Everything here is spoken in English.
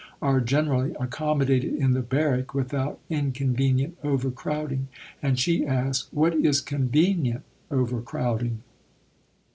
"are generally accommodated in the barrack without inconvenient overcrowding," and she asks, "What is convenient overcrowding?"